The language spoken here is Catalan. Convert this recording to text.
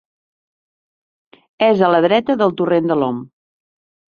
És a la dreta del torrent de l'Om.